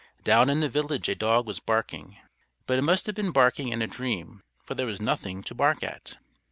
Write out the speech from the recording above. Down in the village a dog was barking. But it must have been barking in a dream, for there was nothing to bark at.